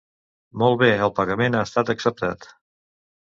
Molt bé, el pagament ha estat acceptat.